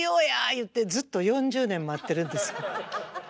言ってずっと４０年待ってるんです。